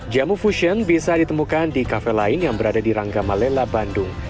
jamu fusion bisa ditemukan di kafe lain yang berada di rangga malela bandung